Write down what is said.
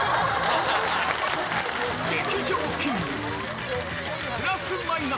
劇場キング。